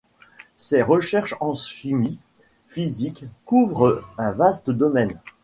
Ses recherches en chimie physique couvrent un vaste domaine.